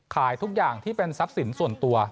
ขายทุกอย่างที่เป็นทรัพย์สินส่วนตัว